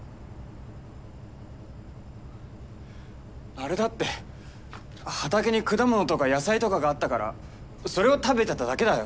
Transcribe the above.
あれだって畑に果物とか野菜とかがあったからそれを食べただけだよ。